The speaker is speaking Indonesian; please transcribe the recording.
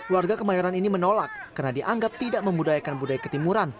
warga kemayoran ini menolak karena dianggap tidak memudayakan budaya ketimuran